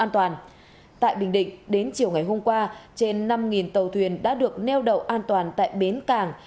tại bình định đến chiều ngày hôm qua trên năm tàu thuyền đã được neo đậu an toàn tại bến cảng